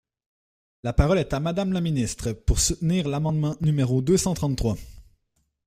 La parole est à Madame la ministre, pour soutenir l’amendement numéro deux cent trente-trois.